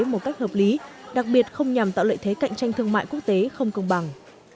một cách hợp lý đặc biệt không nhằm tạo lợi thế cạnh tranh thương mại quốc tế không công bằng